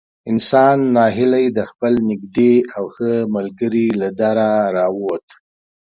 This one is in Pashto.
انسان نا هیلی د خپل نږدې او ښه ملګري له دره را ووت.